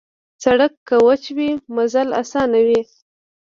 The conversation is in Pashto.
سړک که وچه وي، مزل اسان وي.